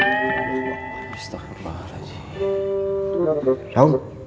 habis tak berbahasa